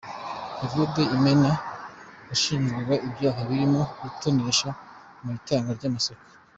Evode Imena washinjwaga ibyaha birimo itonesha mu itangwa ry’amasoko.